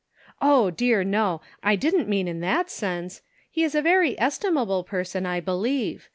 " Oh, dear, no. I didn't mean in that sense. He is a very estimable person, I believe.